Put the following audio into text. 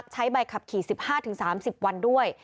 ขี่๑๕๓๐วันด้วย